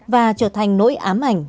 và trở thành nỗi ám ảnh